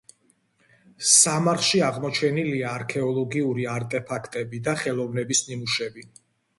სამარხში აღმოჩენილია არქეოლოგიური არტეფაქტები და ხელოვნების ნიმუშები.